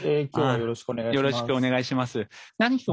よろしくお願いします。